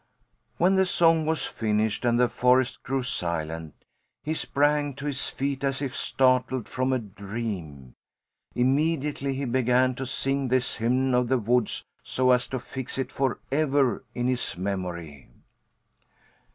When the song was finished and the forest grew silent, he sprang to his feet as if startled from a dream. Immediately he began to sing this hymn of the woods so as to fix it forever in his memory.